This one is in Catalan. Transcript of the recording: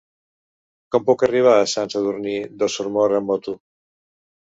Com puc arribar a Sant Sadurní d'Osormort amb moto?